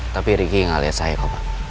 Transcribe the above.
tapi riki gak liat saya kok pak